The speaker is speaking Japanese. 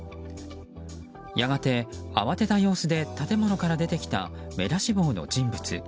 やがて、慌てた様子で建物から出てきた目出し帽の人物。